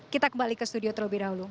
kita kembali ke studio terlebih dahulu